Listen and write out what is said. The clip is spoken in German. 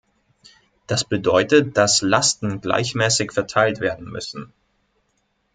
Das bedeutet, dass Lasten gleichmäßig verteilt werden müssen.